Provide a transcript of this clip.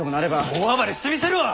大暴れしてみせるわ！